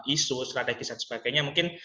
isu strategis dan sebagainya mungkin